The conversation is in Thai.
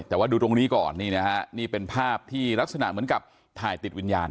แต่ว่าดูตรงนี้ก่อนนี่นะฮะนี่เป็นภาพที่ลักษณะเหมือนกับถ่ายติดวิญญาณ